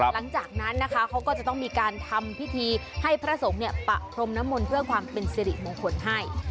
หลังจากนั้นนะคะเขาก็จะต้องมีการทำพิธีให้พระสงฆ์เนี่ยปะพรมน้ำมนต์เพื่อความเป็นสิริมงคลให้